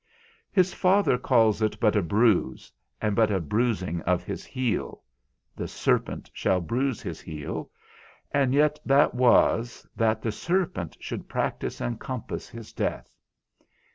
His Father calls it but a bruise, and but a bruising of his heel (the serpent shall bruise his heel), and yet that was, that the serpent should practise and compass his death.